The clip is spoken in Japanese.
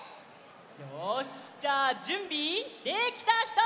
よしじゃあじゅんびできたひと！